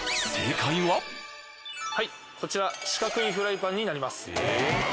はいこちら四角いフライパンになります。